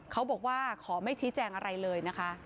เขาบอกว่าขอไม่ชี้แจงอะไรเลยนะคะ